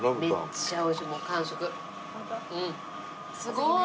すごーい！